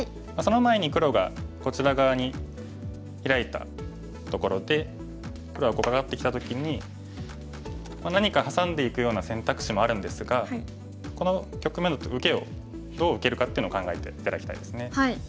その前に黒がこちら側にヒラいたところで黒はこうカカってきた時に何かハサんでいくような選択肢もあるんですがこの局面だと受けをどう受けるかっていうのを考えて頂きたいですね。